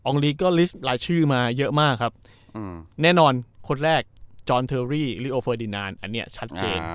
ลีก็ลิสต์รายชื่อมาเยอะมากครับแน่นอนคนแรกจอนเทอรี่ลิโอเฟอร์ดินานอันนี้ชัดเจน